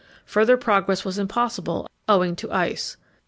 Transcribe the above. Further progress was impossible owing to ice.